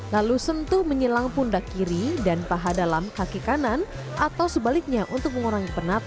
lalu sentuh menyelang pundak kiri dan paha dalam kaki kanan atau sebaliknya untuk mengurangi penat